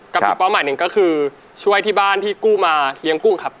อีกเป้าหมายหนึ่งก็คือช่วยที่บ้านที่กู้มาเลี้ยงกุ้งครับ